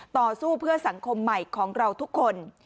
ต่อสู้เพื่อสังคมใหม่ของเราทุกคน